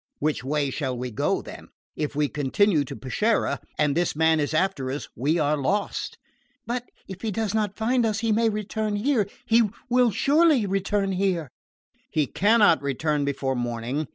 "Which way shall we go, then? If we continue to Peschiera, and this man is after us, we are lost." "But if he does not find us he may return here he will surely return here!" "He cannot return before morning.